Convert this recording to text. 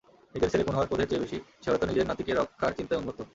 নিজের ছেলে খুন হওয়ার ক্রোধের চেয়ে বেশি সে হয়তো নিজের নাতিকে রক্ষার চিন্তায় উন্মত্ত।